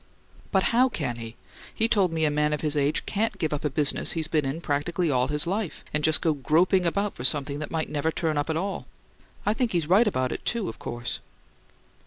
"But how can he? He told me a man of his age CAN'T give up a business he's been in practically all his life, and just go groping about for something that might never turn up at all. I think he's right about it, too, of course!"